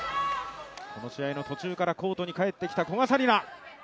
この試合の途中からコートに帰ってきた古賀紗理那。